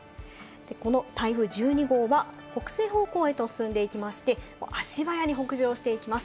この台風１２号は北西方向へと進んでいきまして、足早に北上していきます。